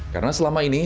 karena selama ini